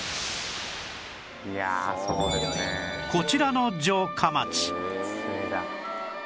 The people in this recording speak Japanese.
こちらの城下町